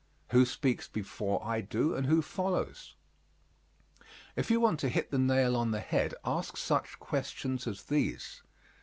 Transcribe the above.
Who speaks before I do and who follows? If you want to hit the nail on the head ask such questions as these.